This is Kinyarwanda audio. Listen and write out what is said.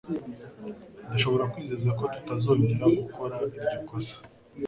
Ndashobora kwizeza ko tutazongera gukora iryo kosa.